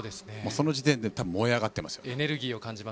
その時点で燃え上がっていますね。